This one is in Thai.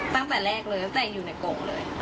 ตั้งแต่แรกเลยตั้งแต่อยู่ในกงเลย